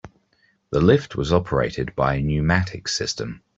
The lift was operated by a pneumatic system.